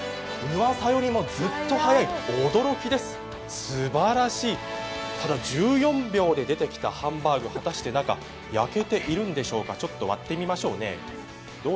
うわさよりもずっと速い、驚きですただ１４秒で出てきたハンバーグ、果たして中、焼けているんでしょうか、割ってみましょうね。